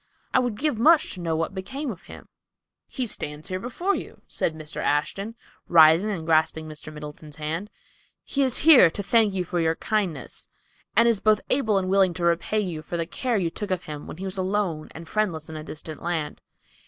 I would give much to know what became of him." "He stands before you," said Mr. Ashton, rising and grasping Mr. Middleton's hand. "He is here to thank you for your kindness, and is both able and willing to repay you for the care you took of him who was alone and friendless in a distant land."